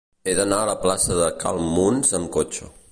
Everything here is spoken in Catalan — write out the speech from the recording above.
He d'anar a la plaça de Cal Muns amb cotxe.